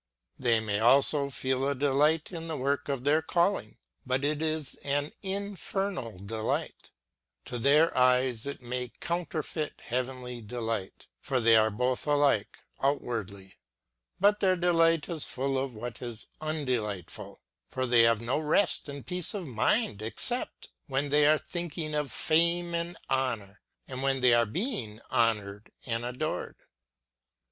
They may also feel a delight in the work of their calling ; but it is an infernal delight. To their eyes it may counterfeit heavenly delight ; for they are both alike outwardly. But their delight is full of what is undelightful ; for they have no rest and peace of mind, except when they are thinking of fame and honor, and when they are being honored and adored.